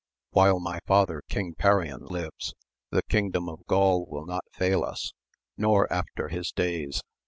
While my father, King Perion, lives the kingdom of Gaul will not fail us, nor after his days.